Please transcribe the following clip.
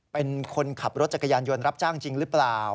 เป็นคนขับรถจักรยานยนต์รับจ้างจริงหรือเปล่า